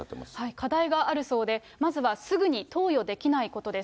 課題はあるそうで、まずはすぐに投与できないことです。